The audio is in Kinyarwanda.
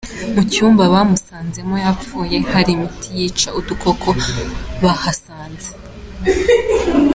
Mu cyumba bamusanzemo yapfuye, hari n’imiti yica udukoko bahasanze